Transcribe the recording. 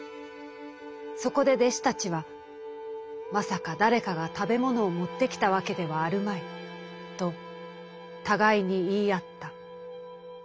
そこで弟子たちは『まさか誰かが食べ物を持って来たわけではあるまい』と互いに言い合った」。